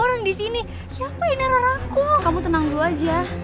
sampai jumpa di video selanjutnya